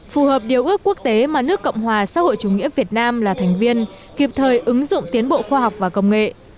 phù hợp điều ước quốc tế mà nước cộng hòa xã hội chủ nghĩa việt nam là thành viên kịp thời ứng dụng tiến bộ khoa học và công nghệ